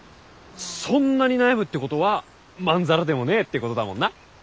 そんなに悩むってことはまんざらでもねえってことだもんな。